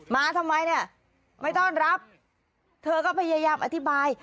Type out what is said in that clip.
มาทำไมเนี่ยไม่ต้อนรับเธอก็พยายามอธิบาย